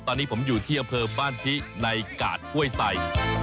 ตอนนี้ผมอยู่ที่อำเภอบ้านที่ในกาดกล้วยไซค์